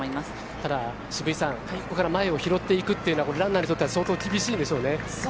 ただ、渋井さん、ここから前を拾っていくというのはランナーにとっては相当厳しいでしょうね。